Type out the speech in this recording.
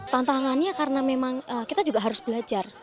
tantangannya karena memang kita juga harus belajar